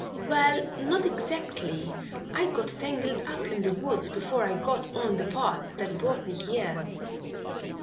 "Well, not exactly. I got tangled up in the woods before I got on the path that brought me here."